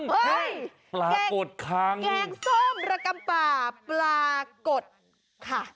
เฮ้ยแกงส้มระกำป่าปลากดคางแกงส้มระกำป่าปลากดค่ะ